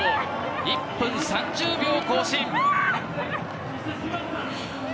１分３０秒更新。